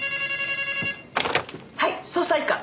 はい捜査一課。